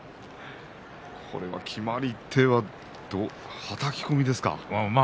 これは決まり手ははたき込みですか。